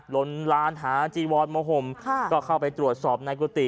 ลนลานหาจีวอนมาห่มก็เข้าไปตรวจสอบในกุฏิ